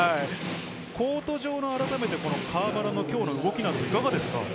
コート上、あらためて河村の今日の動きはいかがですか？